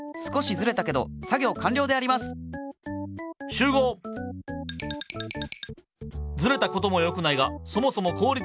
ずれたこともよくないがそもそも効率がすこぶるわるい。